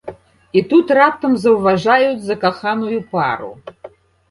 І тут раптам заўважаюць закаханую пару.